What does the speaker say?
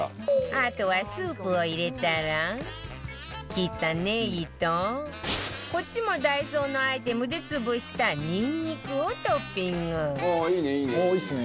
あとはスープを入れたら切ったネギとこっちもダイソーのアイテムで潰したニンニクをトッピングいいねいいね。